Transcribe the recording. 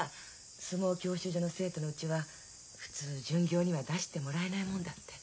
相撲教習所の生徒のうちは普通巡業には出してもらえないもんだって。